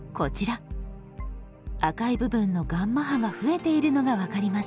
赤い部分のガンマ波が増えているのが分かります。